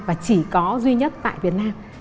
và chỉ có duy nhất tại việt nam